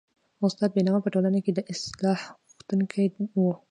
استاد بينوا په ټولنه کي د اصلاح غوښتونکی و.